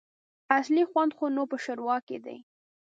اصلي خوند خو نو په ښوروا کي دی !